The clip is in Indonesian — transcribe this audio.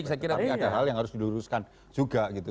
tapi ada hal yang harus diluruskan juga gitu